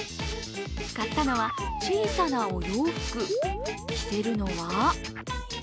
買ったのは小さなお洋服、着せるのは？